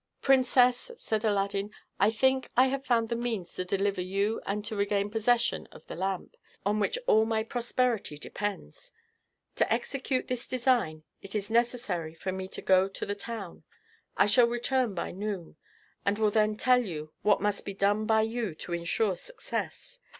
"Princess," said Aladdin, "I think I have found the means to deliver you and to regain possession of the lamp, on which all my prosperity depends. To execute this design it is necessary for me to go to the town. I shall return by noon, and will then tell you what must be done by you to insure success.